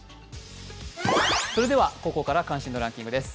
ここから関心度ランキングです。